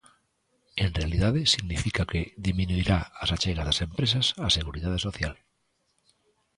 En realidade significa que diminuirá as achegas das empresas á Seguridade Social.